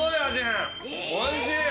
おいしい！